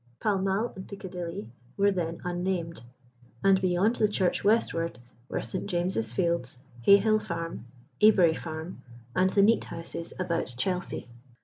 Pall Mall and Piccadilly were then unnamed, and beyond the church westward were St. James's Fields, Hay hill Farm, Ebury Farm, and the Neat houses about Chelsea.